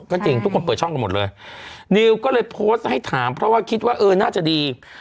ก็จริงทุกคนเปิดช่องกันหมดเลยนิวก็เลยโพสต์ให้ถามเพราะว่าคิดว่าเออน่าจะดี